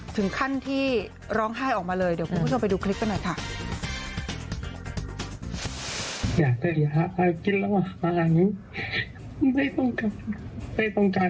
ถึงขั้นที่ร้องไห้ออกมาเลยเดี๋ยวคุณผู้ชมไปดูคลิปกันหน่อยค่ะ